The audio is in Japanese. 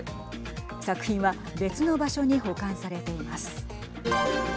作品は別の場所に保管されています。